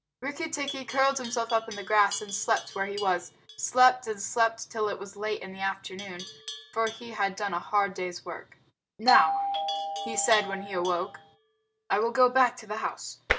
Rikki tikki curled himself up in the grass and slept where he was slept and slept till it was late in the afternoon, for he had done a hard day's work. "Now," he said, when he awoke, "I will go back to the house.